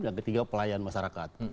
yang ketiga pelayan masyarakat